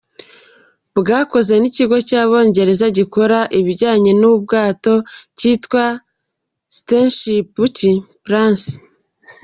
Bwakozwe n’Ikigo cy’Abongereza gikora ibijyanye n’ubwato cyitwa ‘Steamship Primacy’.